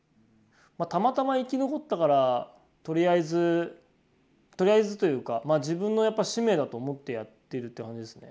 たまたま生き残ったからとりあえずとりあえずというか自分のやっぱ使命だと思ってやってるって感じですね